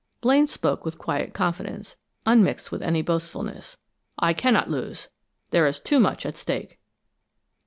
Blaine spoke with quiet confidence, unmixed with any boastfulness. "I cannot lose; there is too much at stake."